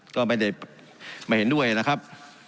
ก็ไม่เห็นด้วยนะครับ